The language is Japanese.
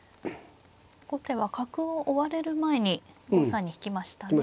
後手は角を追われる前に５三に引きましたね。